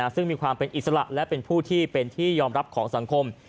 ซึ่งมีความเป็นอิสระและเป็นผู้ที่เป็นที่ยอมรับของสังคม